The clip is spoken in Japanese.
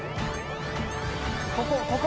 ここここ！